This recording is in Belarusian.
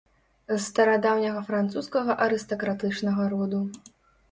З старадаўняга французскага арыстакратычнага роду.